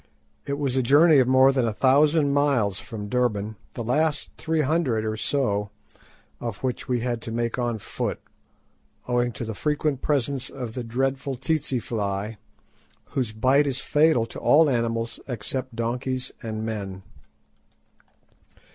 It was a journey of more than a thousand miles from Durban, the last three hundred or so of which we had to make on foot, owing to the frequent presence of the dreadful "tsetse" fly, whose bite is fatal to all animals except donkeys and men.